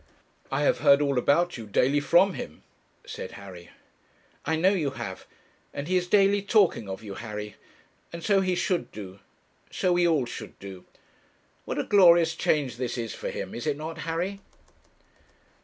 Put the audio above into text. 'I have heard all about you daily from him,' said Harry. 'I know you have and he is daily talking of you, Harry. And so he should do; so we all should do. What a glorious change this is for him! is it not, Harry?'